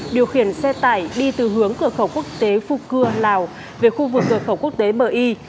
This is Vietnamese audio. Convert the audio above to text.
điều khiển xe tải đi từ hướng cửa khẩu quốc tế phu cưa lào về khu vực cửa khẩu quốc tế mờ y